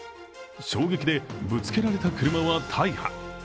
衝撃でぶつけられた車は大破。